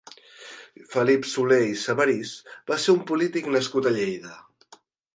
Felip Solé i Sabarís va ser un polític nascut a Lleida.